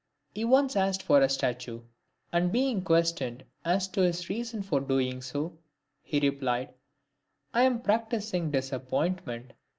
He once asked for a statue ; and being questioned as to his reason for doing so, he said, " I am practising disappoint ment."